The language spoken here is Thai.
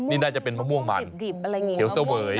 นี่น่าจะเป็นมะม่วงมันเขียวเสวย